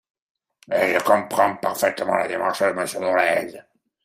Je comprends parfaitement la démarche de Monsieur Dolez.